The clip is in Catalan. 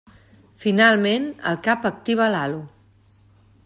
Finalment, el Cap activa l'Halo.